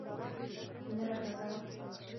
نره ښځه وه.